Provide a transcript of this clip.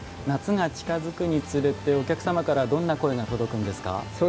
夏が近づくにつれてお客様からどんな声が届くんですか？